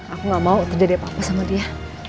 aku gak mau terjadi apa apa sama dia